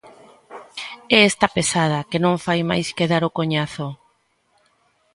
É esta pesada, que non fai máis que dar o coñazo.